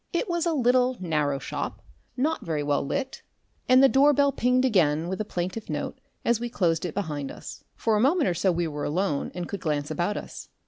It was a little, narrow shop, not very well lit, and the door bell pinged again with a plaintive note as we closed it behind us. For a moment or so we were alone and could glance about us.